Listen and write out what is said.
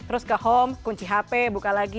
terus ke home kunci hp buka lagi